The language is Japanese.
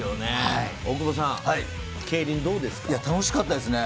大久保さん、競輪どうですか？